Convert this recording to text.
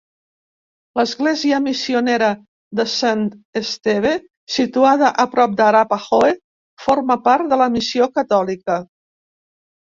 L'església missionera de Sant Esteve, situada a prop d'Arapahoe, forma part de la missió catòlica.